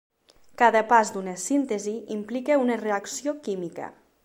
Cada pas d'una síntesi implica una reacció química.